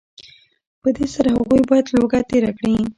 په دې سره هغوی باید لوږه تېره کړي